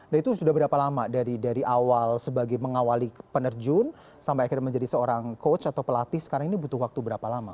nah itu sudah berapa lama dari awal sebagai mengawali penerjun sampai akhirnya menjadi seorang coach atau pelatih sekarang ini butuh waktu berapa lama